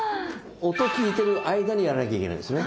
音聞いてる間にやらなきゃいけないんですよね。